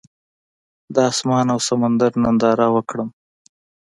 د اسمان او سمندر ننداره وکړم.